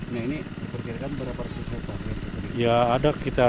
nah ini berkira kan berapa persisnya pak